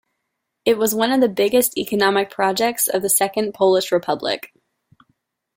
It was one of the biggest economic projects of the Second Polish Republic.